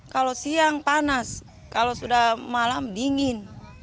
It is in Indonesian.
kalau siang panas kalau sudah malam dingin